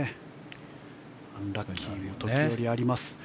アンラッキーも時折あります。